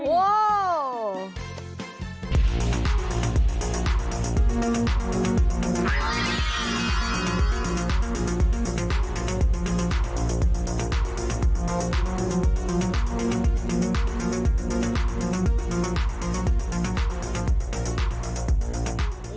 โว้ว